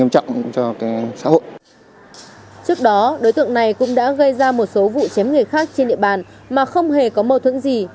trước đó đối tượng này cũng đã gây ra một số vụ chém người khác trên địa bàn mà không hề có mâu thuẫn gì